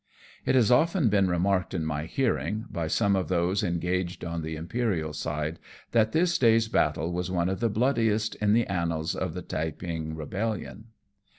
It has often been remarked in my hearing, by some of those engaged on the Imperial side, that this day's battle was one of the bloodiest in the annals of the Taeping rebellion.